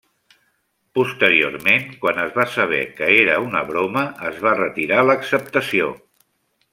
Posteriorment, quan es va saber que era una broma, es va retirar l'acceptació.